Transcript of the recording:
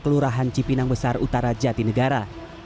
kelurahan cipinang besar utara jatinegara